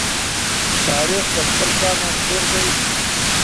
تاریخ د خپل قام انځور دی.